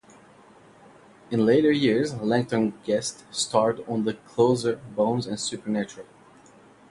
In later years, Langton guest starred on "The Closer", "Bones", and "Supernatural".